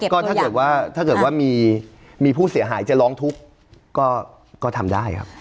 ก็ถ้าเกิดว่าถ้าเกิดว่ามีผู้เสียหายจะร้องทุกข์ก็ทำได้ครับ